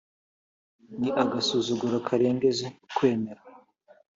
ni agasuzuguro karengeje ukwemera